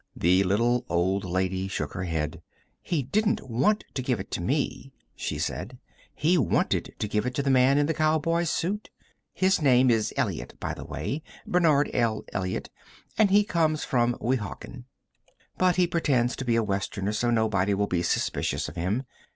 The little old lady shook her head. "He didn't want to give it to me," she said. "He wanted to give it to the man in the cowboy's suit. His name is Elliott, by the way Bernard L. Elliott. And he comes from Weehawken. But he pretends to be a Westerner so nobody will be suspicious of him.